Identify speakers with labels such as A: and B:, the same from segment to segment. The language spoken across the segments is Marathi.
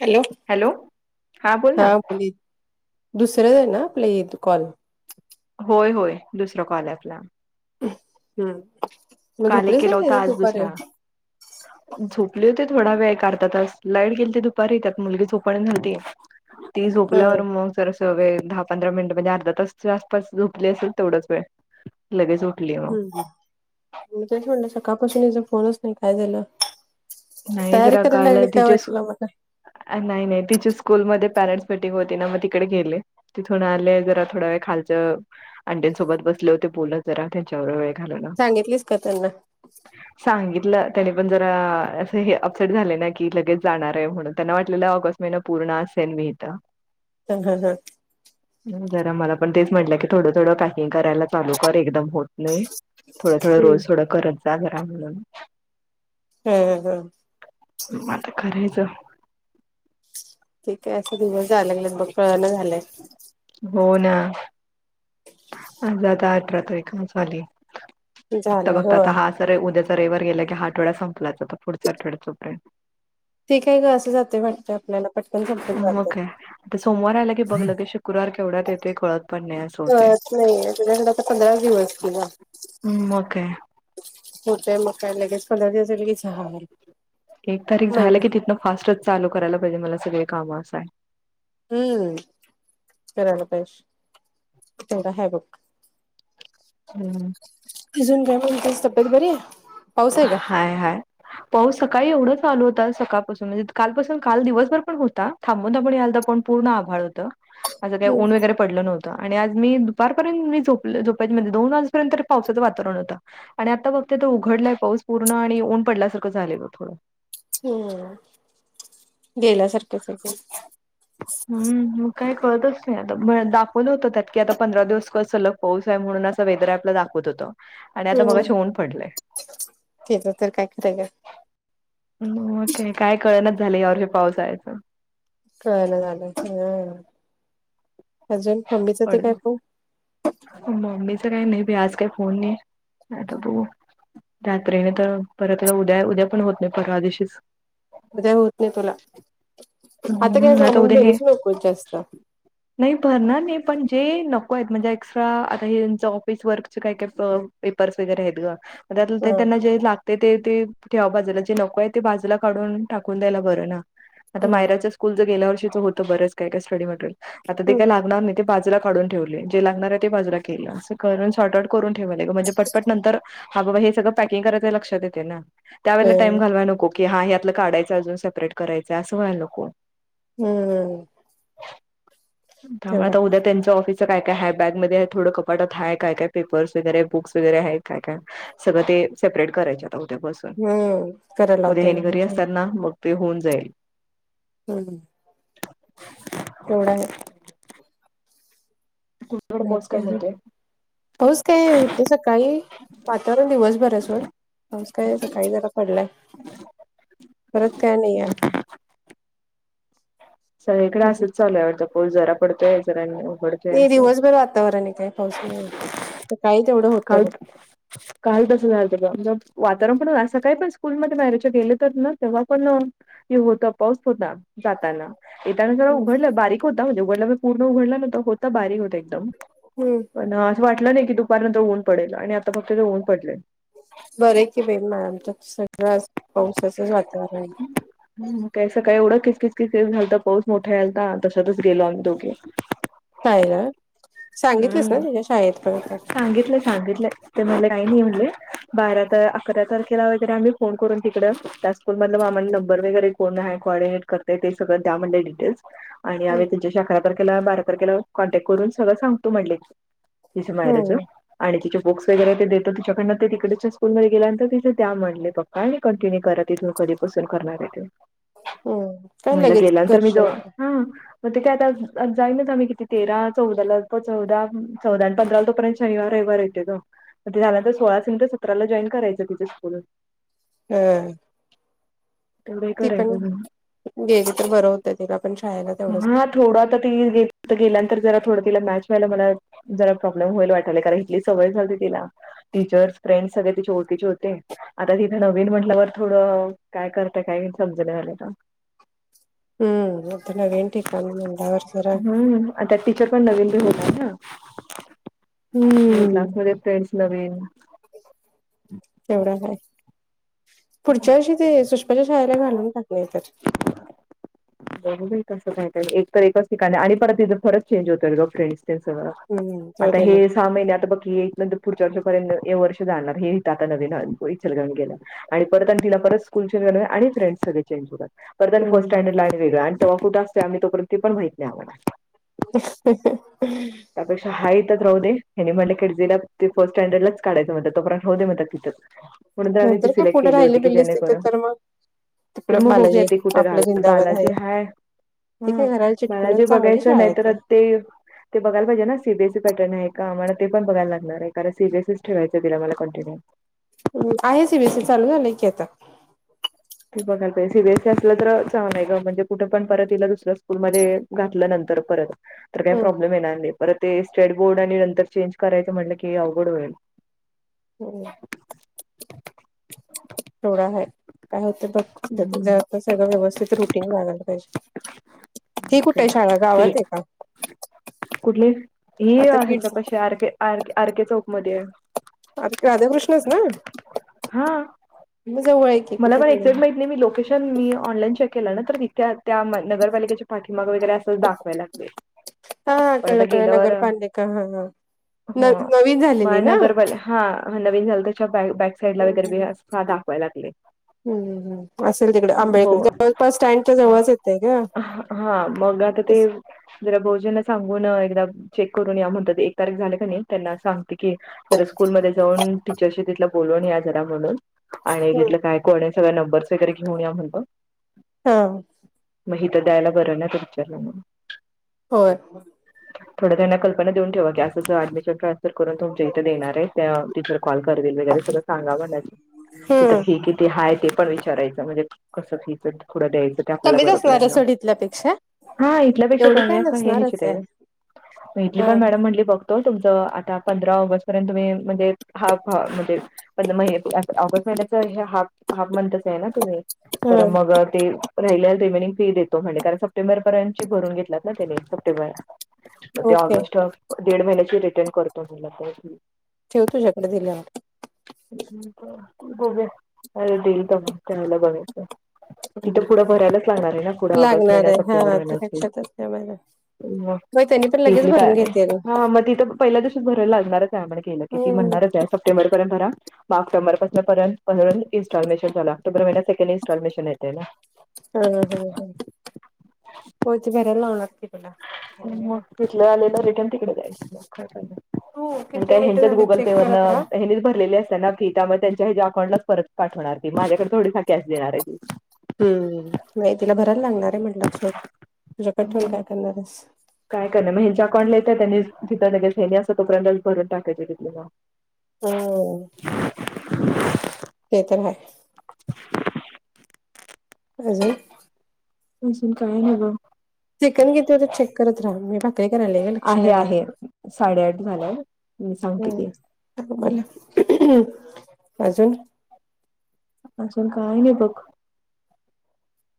A: हॅलो
B: बोल ना
A: हा बोोल दुसरंच आहे ना आपल्या येत कॉल.
B: होय होय दुसरं कॉल आपला.
A: हम्म म
B: काल एक
A: झोपडीस ना का दुपारी.
B: झोपले होते थोडा वेळ करतातच लाईट गेली ते दुपारी त्यात मुलगी झोपाने नव्हती. ती
A: हा.
B: झोपल्यावर मग स वेळ दहा पंधरा मिनिट म्हणजे अर्धा तासच्या आसपास झोपले असेल तेवढंच वेळ लगेच उठली. मग
A: हम्च म्हणलं सकाळपासून याचा फोनच नाही काय झालं.
B: नाही जरा
A: तरीखरला हे
B: काल
A: काय
B: तिचे सु
A: वाटलं मला
B: नाही नाही तिची स्कूलमध्येध्ये पॅरेंट्स मिटिंग होती ना मग तिकडे गेली. तिथून आले जरा थोड्या वेळ खालच्या अंडीसोबत बसले होते बोलत. जरा त्याच्यावढ वेळ घालव ना
A: सांगितलीस का त्यांना
B: सांगितलं त्याने पण जरा हे अपसेट झाले ना की लगेच जाणार आहे म्हणून त्यांना वाटलेलं ऑगस्ट महिना पूर्ण असेल मीह.
A: ह हम हम.
B: जरा मला पण तेच म्हटलं की थोडं थोडं पॅकिंग करायला चालू कर एकदम हो नाही थोडं थोडं
A: हम्म.
B: रोज थोडं करत जा घरा म्हणून
A: हम् हम हम.
B: आता तर करायचं.
A: ठीक आहे असं दिवस झालाग लग मग कळण झालंय.
B: हो ना. ज अठरा तारखां झाली फक्ता
A: झालं
B: फघत
A: होय
B: आता ह. तर उद्या रवर गेल्या की ह आठवड्या संपलायचाता पुढ आठवड्यात चोपे
A: ते काय असं जाते वाटत आपल्याला पटकन संपून
B: मग
A: जातं.
B: काय आता सोमवार आला की बघलं की शुक्रवार केवढ्यात येते कळत पण नाही असं होते.
A: कळत नाही तलाडा तर पंधरा दिवस कला
B: मग काय
A: होत मग काय लगेच कलरी असेल की चहा.
B: एक तारीख झालं की तिं फास्टच चालू करायला पाहिजे, मला सगळे कामं असं आहे.
A: हम्म विराळ बयश तेड हबघ.
B: हम्म.
A: अजून काय पणच्यास तब्ब्यात बरी आहे. पाऊस आहे का?
B: हाय हाय. पाऊस सकाळी एवढा चालू होता सकाळपासून म्हणजे कालपासून काल दिवसभर पण होता. थांबून आपण याला पण पूण आाड होतं असं काय ऊन वगरे पडलं नव्हं आणि आज मी दुपारपर्यंत झोप दोन वाजपर्यंत पावसाचं वातावरण होता. आणि आता फक्त उघडलाय पाऊस पूर्ण आणि ऊन पडल्यासारखं झालेल थोडं.
A: हम् गेल्या सारखंचं पण
B: हम्म मग काय कळतचं नाही आता दाखवलं होत त्यात की आता पंधरा दिवस कसं सलग. पाऊस आहे म्हणून असं वेदर ॲपला दाखवतं होतं आणि आता मगाशी ऊन पडलंय.
A: त्याचं काय खरं आहे गं.
B: के काय कळणाचं झाले. या वर्षी पावसाळ्याचं
A: कळना झालं हा अजून मम्मीच ते काय पण.
B: मम्मी चा काही आज काही फोन नाही नाहीत तू रात्रीने तर परतला उद्या उद्या पण होत. नाही. परवा दिवशी.
A: आता होत नाही तुला आता काय
B: हम्म
A: सामान
B: उद्या हे
A: भरूचं नको जास्त.
B: नाही भरणार नाही पण जे नको आहेत म्हणजे एक्स्ट्रा आता हे त्यांच ऑफिस वर्क काय. काय. पेपर्स वगैरे आहेत ग त्यात ते
A: हं
B: त्यांना जे लागत. ते ते ठेवा बाजूला जे नको आहे ते बाजूला काढून टाकून दयाला बरं ना आता
A: हम्म
B: माहेरचं. स्कूलचं गेल्या वर्षी होत बरेच काय स्टडी आता ते
A: हम्म
B: होणार नाही ते बाजु काढून ठेवले जे लागणार आहे ते बाजूला केलं असं करून शॉर्टआउट करून ठेवले म्हणजे पट पटनंतर नंतर- अगं बाई हे सगळं पॅकिंग करायचं लक्षात येते ना. त्या वेळेला टाइम घालवाय नको की हा हे यातलं काढायचं अजून सेपरेट करायंय असं व्हायला नको.
A: हम्मम,
B: त्यामुळे उद्या त्यांच ऑफिस. काय काय है बॅगमध्ये थोडं कपाटत हाय का काय काय पेपरसं वगैरे बुक्स वगैरे आहे काय काय सगळं ते सेप्रेट करायच्या होत्या बसं.
A: हम्म करायला लावते मंग सांग.
B: ना मग ते होऊन जाईल.
A: हम् तेवढा आहे.
B: तुझ्याकडे पाऊस काय म्हणतोय
A: पाऊस काय होत सकाळी वातावरण दिवस घरं सोड पाऊस कायसकाळी जरा पडलाय. परत काय नाही आहे.
B: सगळीकडे असंच चालू आहे. पाऊस जरा पडतोय जरानी उघडतंय.
A: नाही दिवसभर वातावरण आहे काय पाऊस नाही सकाळी तेवढं. होतं
B: काल
A: बघ.
B: काल तसं झालं का वातावरण पण असं सकाळी पण स्कूलमध्ये मॅरेज गेले तर ना तेव्हा पण यो होता पाऊस होता जाताना. एक दिवस उघडलं बारीक होता म्हणजे उघडला पूर्ण उघडलं न तर होता बारीक होत.
A: हम्म
B: पण असं वाटलं नाही की दुपारनंतर होऊन पडेल आणि आता फक्त ते ऊन पडले.
A: बरे कि बेन मॅमच सगळं पावसाचचं वातावरण
B: ह काही सकाळी एवढं किच किच झालंत पाऊस मोठा यलतंय ना तशातचं गेलो आम्ही दोघे.
A: काय रं सांगितलंस
B: हम्म
A: ना शाळेत पण आता.
B: सांगितलं सांगितलं मला काही नाही. म्हटले बारा अकरा तारखेला वगैरे आम्ही.. फोन करून तिकडं त्या स्कूलमधलं आम्हाला नंबर वगैरे कोण आहे कॉर्डिनेट करतयं ते सगळं त्या दया म्हणलं डिटेल्स.. आणि आम्ही तुमच्याशी अकरा तारखेला बारा तारखेला कॉन्टॅक्ट करून सगळं सांगतो म्हणले. तिचं माहेरचं
A: हम्म
B: आणि तिचं. बुक्स वगैरे ते देतात तिच्याकडनं ते तिकडच्या स्कुल मध्ये गेल्यांत तिथं त्या म्हणले पप्पा आणि कंटिन्यू करा तिथूनं. बसून करणार आहे ते
A: हम्म काय
B: म्हणलं
A: लगेच
B: गेल्यानंतर मी जर.
A: करशील
B: मग ते काय आता जाई ना आम्ही किती ते रात.. चौदाला चौदा चौदा आणि पंधराला तोपर्यंत शनिवार रविवार येते तो. ते त्यानंतर सोळा स तर सतराला जॉईन करायचं तिे स्कूलून
A: हम्म
B: तेवढं हे
A: ती पण
B: करायचं
A: गेली तर बरं होतं तिला पण शाळेला तेवढंच
B: हा थोडं आता ती गेल्यानंतर जरा थोडं तिला मॅच व्हायला मला जरा प्रॉब्लेम होईल वाटाला करा इथली सवय झालते तिला टीचर्स फ्रेंडस सगळे तिची ओळखीचे होते आता तिथे नवीन म्हटल्यावर थोडं काय कर ता काय समजलं झाले ना
A: नवीन ठिकाण म्हटल्यावर
B: त्यात टीचर पण नवीन बी होत आहे ना
A: हम्म
B: क्लासमध्ये फ्रेंड्स नवीन
A: तेवढा काय पुढच्या वर्षी ते सुष्माच्या शाळेला घालून टाकलं तर
B: बरं कसं काही काय नाही एक तर एककाचं ठिकाणी आणि परत तिथं चेंज होतय गं फ्रेंड्स. त्याच [unintelligible]
A: हम्म
B: आता
A: जाऊदे मग
B: हेच सहा महिने आता बघ कि नंतर पुढच्या वर्षपर्यंत हे वर्ष जाणार हें आता नवीन [unintelligible] गेलं आणि परत आणि तिना परत स्कूल चेज आणि फ्रेड सगळे चेज होतात पर फर्ट
A: हम्म
B: स्टँडर्ड ला वेगळ आणि तेव कुठ असतो आम् तोपर्ती पण माहित नाही आव
A: [unintelligible]
B: त्यापेक्षा हा येतच राह देे यांनी म्हटलं खिडजीला ते फर्ट स्टँडर्डलाच काढायं म्ह तोपण राह दे म तिथं म्हणून तर आम्ही ती
A: नंतर काय
B: सिलेक्ट
A: पुढे
B: केली
A: राहिली
B: होती की
A: बिल्लीस
B: जेन
A: तिथे
B: करून
A: तर मग
B: तर
A: तिकड
B: मग बघुया
A: बालाजी
B: कुठे
A: आपलं
B: राला
A: जिंदाबाद
B: बालाजी
A: आहे
B: हाय
A: ते काय
B: हम्
A: घराला
B: मला
A: चिटकून
B: जे
A: चांगली
B: बघायचं
A: शाळा
B: नाही
A: आहे
B: तर ते ते बघाय पाहिजे ना सीसी पॅर्न का आम्हा ते प बघाय लागणार आहे कारण सीबीस ठेयचं दि मला कंटिन्यू
A: आहे सीबीस चालू झालंय की आता
B: ते बघाय पाहिजेीबीएसी अस तर चांगय ग म्हणजे कुठं पण परत इला दुस्या स्कूलमध्ये घातल्या नंतर परत तर काही
A: हम्म
B: प्रॉब्लेम येणार पर ते स्ट्रेड बोर्ड आणि नंतर चेंज करायचं म्हटलं की अवघड होईल
A: होम् सोडा आहे काय होत बघ आप सगळं व्यवस्थित रुटीन लागायला पाहिजे हि कुठे
B: ओके
A: आहे शाळा गावात आहे का
B: कुठले हे
A: आता
B: आहे
A: किड्स
B: आर आर केे चौकमध्येध्ये
A: आता राधाकृष्णच ना
B: हा
A: मग जवळ हाय
B: मला पणक्ट नाही लोकेशन मी ऑनलाईन चेक केला ना त्या नगरपालिकेचे पाठीमाग वगैरे असंच दाखवाय लागले
A: हा हा
B: पण आता
A: कळलं कळलं
B: गेल्यावर
A: नगर पालिका हा हा न
B: हा
A: नवीन
B: मह
A: झालेली ना
B: नगरपाल्या हा नवीन झालं त्याच्या बॅक साईड ला वगैरे अस दाखवाय लागले
A: हम् हम असेल तिकडे आंबेडकर
B: हो
A: जवळपास स्टँडच्या जवळच येतय का
B: हा मग आता ते जरा बहुजनना सांगून एकदा चेक करून या म्हणतात एक तारीख झाले का नाही त्यांना सांगते की ज स्कूलमध्ये जाऊन टीचरशी तिथला बोलवून या जरा म्हणून आणि तिथलं काय कोण सगळ नंबर्स वगैरे घेऊन या म्हणत
A: हा
B: मग हथं द्यायला बरं नाही तर विचारलं म्ह
A: हो
B: थोड त्यांना कल्पना देऊन ठेवा की असं ज डमिशन ट्रान्सफर करून तुमच्या इथे देणार आहे त्या टीचर कॉल करतील वगैरे सगळं सांगा म्ह तिथ
A: हम्म
B: किती हाय ते पण विचारायच म्हणजे कसं फी थोडं द्यायचं आपल्याला
A: कमीच असणार आहे
B: बरो
A: सोड इथल्यापेक्षा
B: हा इथल्यापेक्षा
A: एवढी काय
B: कमी पण हे
A: नसणारच
B: निश्चित आहे भेटली
A: हा
B: पण मॅडम म्हटली त तुमच आता पंधरा ऑगस्ट पर्यंत तुम्ही म्हणजे हाफ ह म्हणजे. पण म ऑगस्ट महिन्याच हे हाफ हाफ मंथच आहे ना तुम्ही
A: हा
B: तर मग ते राहिल्याला रिमनि फी देतो म्हणजे कारण सप्टेबरर्यची भून घेतत ना त्याने सप्टेबरला. ते
A: ओके
B: ऑगस्ट दड महिन्याची रिटर्न करतो मला
A: ठेव तुझ्याकडे दिल्यावर
B: खू गब अरे डल तम त्याला बघच.
A: हम्म.
B: तिथं पुढं भरायलाच लागणार आहे ना पुढं ऑगस्ट
A: लागणार
B: महिन्यात
A: आहे
B: सप्टेंबर
A: हा ते
B: महिन्याची
A: लक्षातच नाही माझ्या होय त्यांनी पण लगेच
B: तथली
A: भरून
B: काय
A: घेतील
B: हा मग तिथं पहिल्या दिस भरायला लागणारच आहे म्हण केलं. किती
A: हम्म
B: म्हणणारच आहे सप्टेंबर पर्यंत बरा म ऑक्टोबर इन्स्टॉलमेशन झाला त मेकंड इंस्टॉलमेशन येते ना.
A: हा हम ह होती बरला लागते पला.
B: मग तिथले आलेलं रिटर्न तिकडे जायचं मग.
A: हो किती
B: काय
A: मिनिटं
B: ह्यांच्यात
A: झाले
B: गुगल
A: चेक
B: पे वरन
A: करत राहा
B: हनीच भरलेले असत ना. त्यामुळे त्यांच्या ह्या अकाउंटलाच परत पाठवणार ती माझ्याकडे थोडीसा कॅश देणार आहे ती.
A: हम्म नाही तिला भरायला लागणार आहे म्हटला सोड तुझ्या कठण
B: मग
A: काय करणार्यास.
B: काय करण मग हच्या अकाउंटला येत त्यांनी तिथं लगेच हेनी असं तोपर्यंतच भरून पॅकेज घेतली मग.
A: हो. ते तर आहे.
B: [unintelligible]
A: अजे [unintelligible]
B: अजून काय हवं.
A: चिकन घेते होते चेक करत राहा मी बघ. प्रत्येक रलेग लक्षणे
B: आहे आहे साडेआठ झालाय मी सांगते की
A: हम्. मला अजून
B: अजल काय नाही बघ.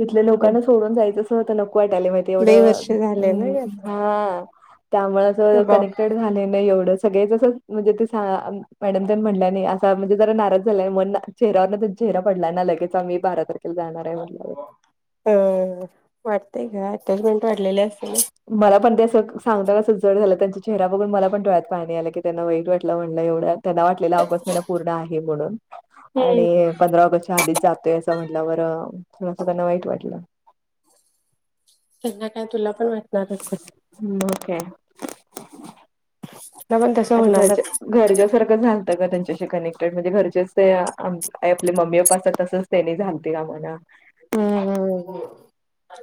B: तथल्या लोकांना सोडून जायचं असत नको वाट आले माहि
A: लई वर्ष झाले ना ग
B: एवढंम्
A: आता
B: हा त्यामुळे अस
A: स्वभाव
B: कनेक्टेड. झा नाही एवढं सगळे म्हणजे ते मॅडम म्हट नाही अस म्हणजे जरा नाराज झाला म चेऱ्यावर चेहरा पडलाय ना लगेच आम्ही बारा तारखेला जाणार आहे म्ह
A: अ वाटतय का आत्ताच मिनट वाढलेले असतील ना.
B: मला पण ते असं सांगता कसं जड झालं त्यांचा चेहरा बघून मला पण डोळ्यात पाहणी आला की त्यांना वाईट वाटलं म्हणलं एवढं. त्यांना वाटलेला अवकस्मेला पूर्ण आहे म्हणून.
A: हम्म
B: आणि पंधरा ऑगस्टच्या आधीच जातोय असं म्हटलं बरं सं त्यांना वाईट वाटलं.
A: त्यांना काय तुला पण वाटणारच.
B: हम्म ओके
A: तुला पण तसं
B: असतां कच
A: होणारच
B: घरच्यासारखं झालतं का त्यांच्याशी कनेक्टेड म्हणजे घरचेच ते आ आपल्या मम्मीप्पाच तसच त्यांनी झालते ना मणा
A: हम्म हम्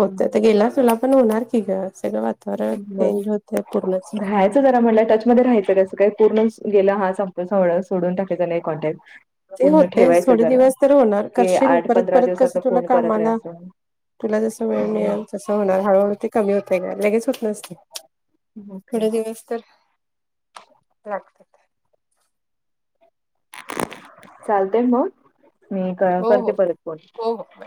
A: होत तर गेला तुला पण होणार की ग सगळं वा तर
B: मग
A: चेंज होतय पूर्ण.
B: राहायचं जरा म्हटलं टचमध्ये रायचं कसं काय पूर्ण गेलं हा संप सं सोडून टाकायचं नाही कॉन्टॅक्ट
A: ते
B: पूर्ण
A: होते
B: ठेवायचं
A: थोडे
B: जरा
A: दिवस तर होणार
B: की
A: करशील
B: आठ
A: परत
B: पंधरा
A: परत कस
B: दिवसात
A: तुला
B: फोन करत
A: कामाला
B: राहायचं.
A: तुला जस वेळ
B: हम्म
A: मिळेल तसं होणार हळूहळू ते कमी होत का लगेच होत नसते.
B: ओके
A: थोडे दिवस तर लागत.
B: चालते मग मी
A: हो
B: करते
A: हो
B: परत फोन.
A: हो, हो. बाय.